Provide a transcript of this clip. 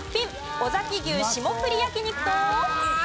尾崎牛しもふり焼肉と。